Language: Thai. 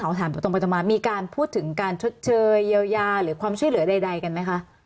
ถามตรงไปตรงมามีการพูดถึงการชดเชยเยียวยาหรือความช่วยเหลือใดกันไหมคะ